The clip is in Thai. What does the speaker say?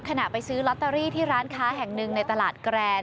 ขณะไปซื้อลอตเตอรี่ที่ร้านค้าแห่งหนึ่งในตลาดแกรน